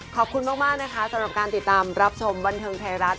ขอบคุณมากนะคะสำหรับการติดตามรับชมบันเทิงไทยรัฐ